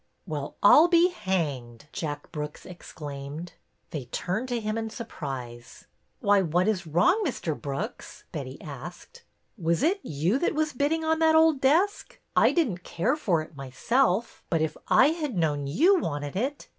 "Well, I'll be hanged!" Jack Brooks exclaimed. They turned to him in surprise. "Why, what is wrong, Mr. Brooks?" Betty asked. " Was it you that was bidding on that old desk? I didn't care for it myself, but if I had known you wanted it.